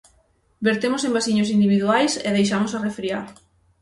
Vertemos en vasiños individuais e deixamos arrefriar.